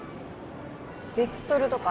ベクトルとか？